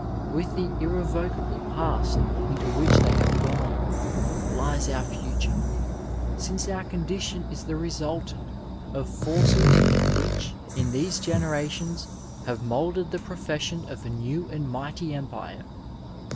With the irre vocable past into which they have gone lies our future, since our condition is the resultant of forces which, in these generations, have moulded the profession of a new and mighty empire.